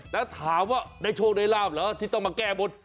แล้วถามว่าได้โชคได้ลาบเหรอที่ต้องมาแก้บน